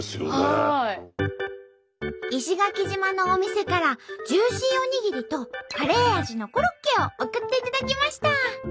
石垣島のお店からジューシーおにぎりとカレー味のコロッケを送っていただきました！